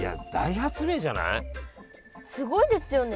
すごいですよね。